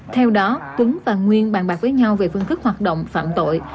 theo đó tuấn và nguyên bàn bạc với nhau về phương thức hoạt động phạm tội